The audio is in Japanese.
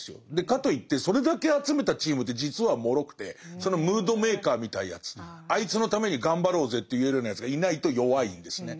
かといってそれだけ集めたチームって実はもろくてそのムードメーカーみたいなやつあいつのために頑張ろうぜって言えるようなやつがいないと弱いんですね。